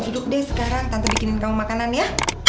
hidup deh sekarang tante bikin kau makanan ya